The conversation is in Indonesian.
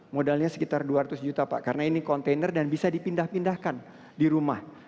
modalnya sekitar dua ratus juta pak karena ini kontainer dan bisa dipindah pindahkan di rumah